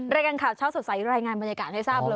รายการข่าวเช้าสดใสรายงานบรรยากาศให้ทราบเลย